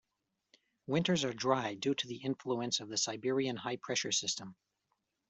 Winters are dry due to the influence of the Siberian high-pressure system.